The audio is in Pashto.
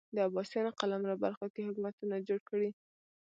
د عباسیانو قلمرو برخو کې حکومتونه جوړ کړي